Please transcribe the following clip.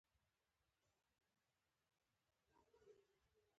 شاعران او ليکوال دَ ژبې پۀ پرمخ تګ